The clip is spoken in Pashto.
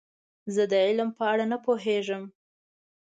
زه د علم په اړه نه پوهیږم.